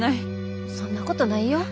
そんなことないよ。